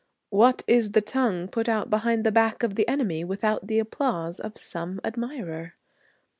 What is the tongue put out behind the back of the enemy without the applause of some admirer?